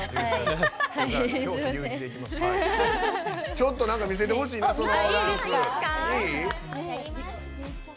ちょっと見せてほしいなそのダンス。